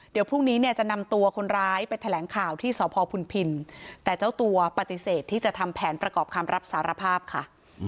เดี๋ยวพรุ่งนี้เนี่ยจะนำตัวคนร้ายไปแถลงข่าวที่สพพุนพินแต่เจ้าตัวปฏิเสธที่จะทำแผนประกอบคำรับสารภาพค่ะ